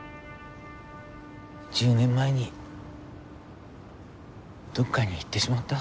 １０年前にどっかに行ってしまった。